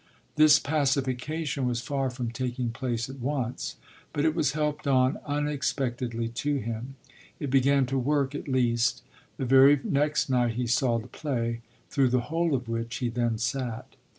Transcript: This pacification was far from taking place at once, but it was helped on, unexpectedly to him it began to work at least the very next night he saw the play, through the whole of which he then sat.